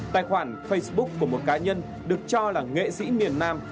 tài khoản facebook của một cá nhân được cho là nghệ sĩ miền nam